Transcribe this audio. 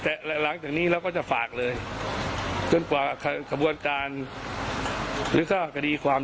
แต่หลังจากนี้เราก็จะฝากเลยจนกว่าขบวนการหรือก็คดีความ